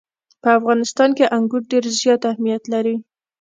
په افغانستان کې انګور ډېر زیات اهمیت لري.